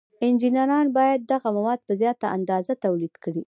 انجینران باید دغه مواد په زیاته اندازه تولید کړي.